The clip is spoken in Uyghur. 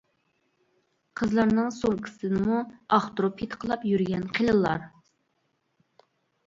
قىزلارنىڭ سومكىسىنىمۇ ئاختۇرۇپ پېتىقلاپ يۈرگەن قېلىنلار.